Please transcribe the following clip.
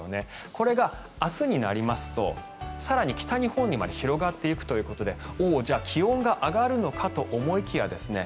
これが明日になりますと更に北日本にまで広がっていくということでじゃあ、気温が上がるのかと思いきやですね